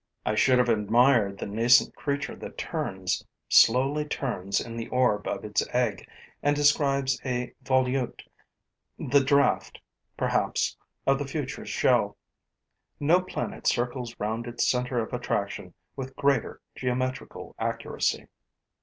I should have admired the nascent creature that turns, slowly turns in the orb of its egg and describes a volute, the draft, perhaps, of the future shell. No planet circles round its center of attraction with greater geometrical accuracy.